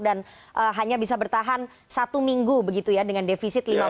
dan hanya bisa bertahan satu minggu begitu ya dengan defisit lima belas ton